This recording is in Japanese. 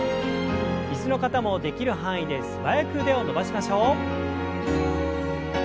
椅子の方もできる範囲で素早く腕を伸ばしましょう。